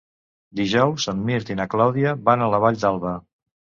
Dijous en Mirt i na Clàudia van a la Vall d'Alba.